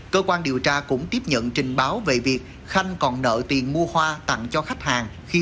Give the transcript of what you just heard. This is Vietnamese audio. cơ quan điều tra cũng tiếp nhận trình báo về việc khanh còn nợ tiền mua hoa tặng cho khách hàng khi